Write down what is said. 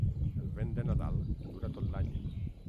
El vent de Nadal dura tot l'any.